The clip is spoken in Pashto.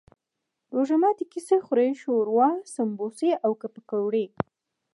روژه ماتی کی څه خورئ؟ شوروا، سموسي او پکوړي